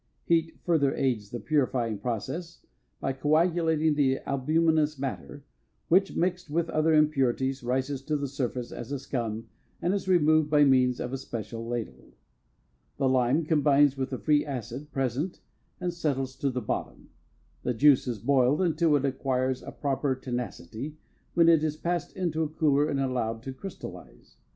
Heat further aids the purifying process by coagulating the albuminous matter, which, mixed with other impurities, rises to the surface as a scum and is removed by means of a special ladle. The lime combines with the free acid present and settles to the bottom. The juice is boiled until it acquires a proper tenacity, when it is passed into a cooler and allowed to crystallize.